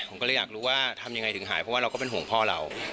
ผมก็เลยอยากรู้ว่าทำยังไงถึงหายเพราะว่าเราก็เป็นห่วงพ่อเรา